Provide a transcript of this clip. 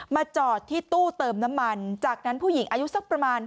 จอดที่ตู้เติมน้ำมันจากนั้นผู้หญิงอายุสักประมาณ